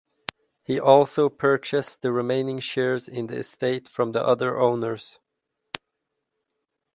He also purchased the remaining shares in the estate from the other owners.